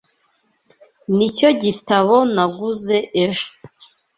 Nicyo gitabo naguze ejo.